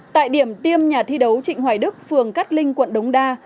tại điểm tiêm nhà thi đấu trịnh hoài đức phường cát linh quận đống đa